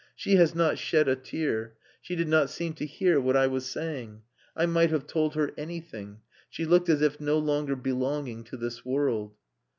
She has not shed a tear. She did not seem to hear what I was saying. I might have told her anything. She looked as if no longer belonging to this world."